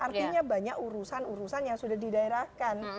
artinya banyak urusan urusan yang sudah didaerahkan